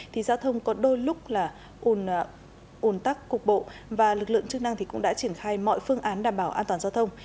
thì giao thông có đôi lúc là ồn tắc cục bộ và lực lượng chức năng cũng đã triển khai mọi phương án đảm bảo an toàn giao thông